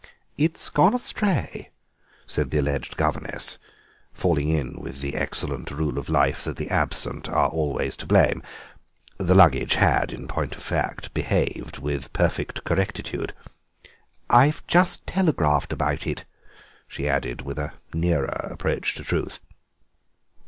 "It's gone astray," said the alleged governess, falling in with the excellent rule of life that the absent are always to blame; the luggage had, in point of fact, behaved with perfect correctitude. "I've just telegraphed about it," she added, with a nearer approach to truth.